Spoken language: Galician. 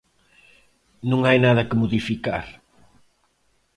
Non hai nada que modificar.